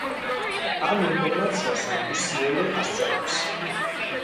ამ ინფორმაციას აკუსიელე ასწორებს.